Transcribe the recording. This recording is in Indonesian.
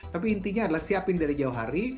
tapi intinya adalah siapin dari jauh hari